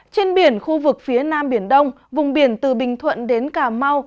trên biển khu vực phía nam biển đông vùng biển từ bình thuận đến cà mau